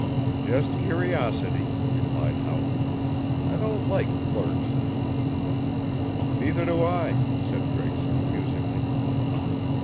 "Just curiosity," replied Howland, "I don't like flirts." "Neither do I," said Gregson musingly.